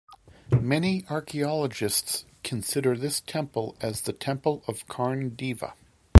Many Archaeologists consider this temple as the temple of Karn Deva.